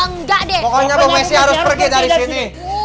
enggak deh pokoknya harus pergi dari sini